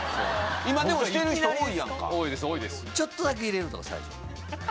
ちょっとだけ入れるとか最初。